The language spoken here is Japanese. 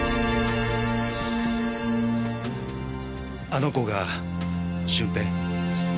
あの子が駿平？